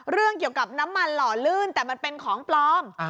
เรื่องเกี่ยวกับน้ำมันหล่อลื่นแต่มันเป็นของปลอม